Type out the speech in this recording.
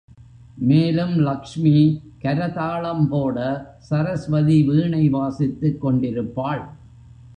மேலும் லக்ஷ்மி கரதாளம் போட, சரஸ்வதி வீணை வாசித்துக் கொண்டிருப்பாள்.